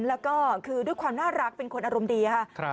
แล้วก็คือด้วยความน่ารักเป็นคนอารมณ์ดีค่ะ